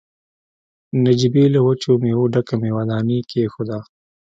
نجيبې له وچو مېوو ډکه مېوه داني کېښوده.